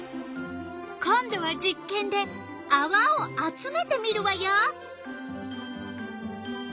今度は実験であわを集めてみるわよ。